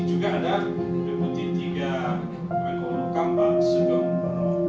juga ada beputi tiga menko rukam pak sudung